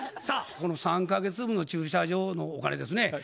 さあこの３か月分の駐車場のお金ですね